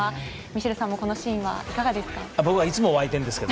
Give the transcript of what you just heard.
ミシェルさんもこのシーンはいかがですか？